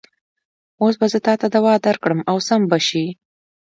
اوس به زه تاته دوا درکړم او سم به شې.